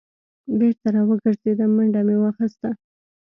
بېرته را وګرځېدم منډه مې واخیسته.